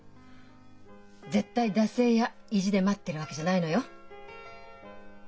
絶対惰性や意地で待ってるわけじゃないのよ。